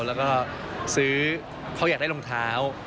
แล้วก็ซื้อเขาอยากได้รองเท้า